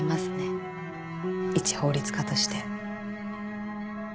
いち法律家として。